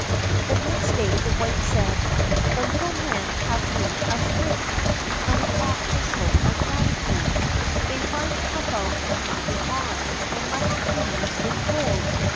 The next day the wife said: "The little men have made us rich, and we ought to show our gratitude. They run about with nothing on, and must freeze with cold.